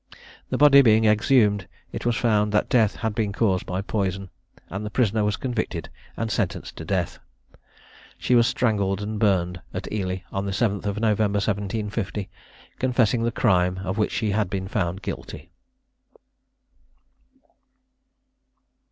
The body being exhumed, it was found that death had been caused by poison, and the prisoner was convicted and sentenced to death. She was strangled and burned at Ely, on the 7th November 1750, confessing the crime of which she had been found guilty.